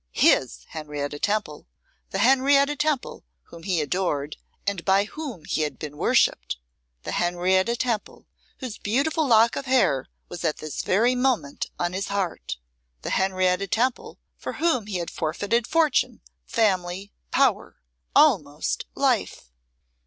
His Henrietta Temple, the Henrietta Temple whom he adored, and by whom he had been worshipped! The Henrietta Temple whose beautiful lock of hair was at this very moment on his heart! The Henrietta Temple for whom he had forfeited fortune, family, power, almost life!